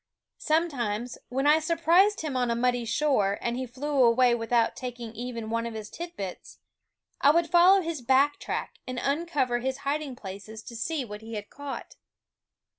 Sometimes, when I surprised him on a muddy shore and he flew away without taking even one of his tidbits, I would follow his back track and uncover his hiding places to see what he had caught.